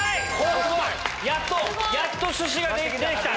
すごい！やっと趣旨が出てきた。